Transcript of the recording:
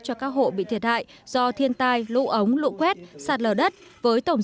cho các hộ bị thiệt hại do thiên tai lũ ống lũ quét sạt lờ đất